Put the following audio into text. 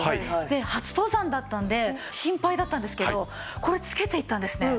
初登山だったので心配だったんですけどこれ着けていったんですね。